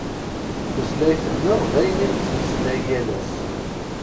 Tutlayt-nneɣ d ayen i nettmeslay yal ass.